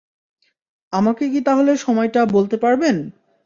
আমাকে কি তাহলে সময়টা বলতে পারবেন?